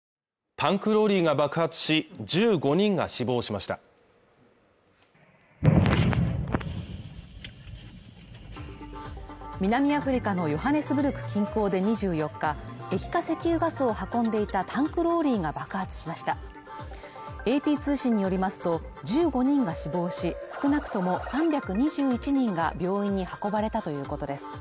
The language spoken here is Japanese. タンクローリーが爆発し１５人が死亡しました南アフリカのヨハネスブルク近郊で２４日液化石油ガスを運んでいたタンクローリーが爆発しましたＡＰ通信によりますと１５人が死亡し少なくとも３２１人が病院に運ばれたということです